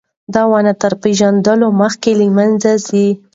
دا ونې تر پېژندلو مخکې له منځه ځي.